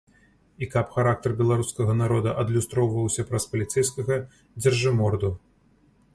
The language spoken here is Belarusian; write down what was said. І каб характар беларускага народа адлюстроўваўся праз паліцэйскага дзяржыморду.